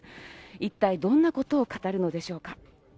一体どんなことを語るのでしょうか。